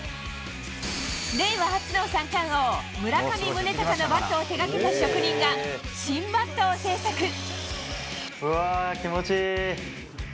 令和初の三冠王、村上宗隆のバットを手がけた職人が、うわぁ、気持ちいい。